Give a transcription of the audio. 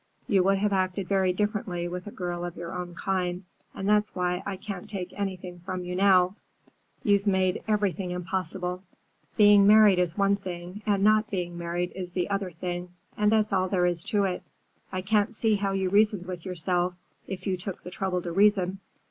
You would have acted very differently with a girl of your own kind, and that's why I can't take anything from you now. You've made everything impossible. Being married is one thing and not being married is the other thing, and that's all there is to it. I can't see how you reasoned with yourself, if you took the trouble to reason.